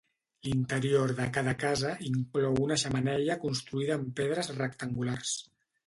L'interior de cada casa inclou una xemeneia construïda amb pedres rectangulars.